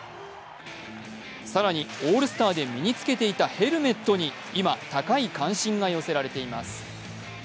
更にオールスターで身に着けていたヘルメットに今、高い関心が寄せられています。